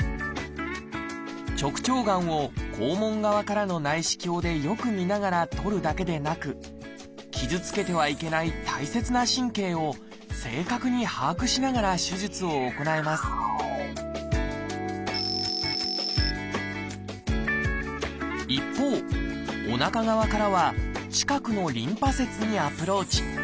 直腸がんを肛門側からの内視鏡でよく見ながら取るだけでなく傷つけてはいけない大切な神経を正確に把握しながら手術を行えます一方おなか側からは近くのリンパ節にアプローチ。